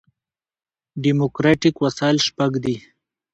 ډیموکراټیک وسایل شپږ دي.